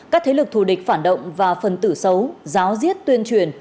các thế lực thù địch phản động và phần tử xấu giáo diết tuyên truyền